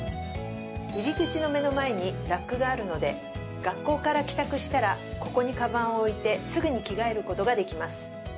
入口の目の前にラックがあるので学校から帰宅したらここにカバンを置いてすぐに着替えることができます。